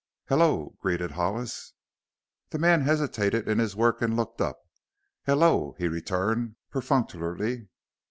"Hello!" greeted Hollis. The man hesitated in his work and looked up. "Hello," he returned, perfunctorily.